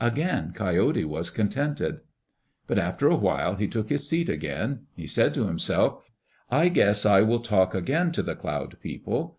Again Coyote was contented. But after a while he took his seat again. He said to himself, "I guess I will talk again to the Cloud People."